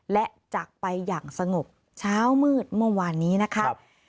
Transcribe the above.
และจากไปอย่างสงบเช้ามืดเมื่อวานนี้นะครับ